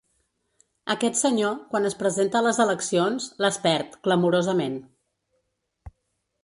Aquest senyor, quan es presenta a les eleccions, les perd, clamorosament.